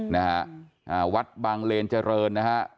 นะฮะอ่าวัดบางเลนเจริญนะฮะ